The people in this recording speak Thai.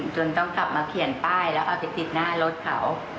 จนต้องกลับมาเขียนป้ายแล้วเอาไปติดหน้ารถเขา